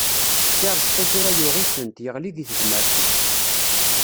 Si Rezqi tura yuɣ-itent yeɣli di tezmert-is.